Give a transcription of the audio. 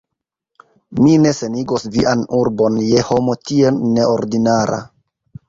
mi ne senigos vian urbon je homo tiel neordinara.